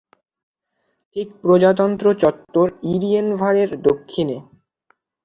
ঠিক প্রজাতন্ত্র চত্বর, ইয়েরেভান-এর দক্ষিণে।